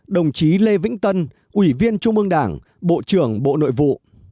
ba mươi một đồng chí lê vĩnh tân ủy viên trung ương đảng bộ trưởng bộ nội vụ